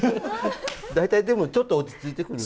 大体でもちょっと落ち着いてくる。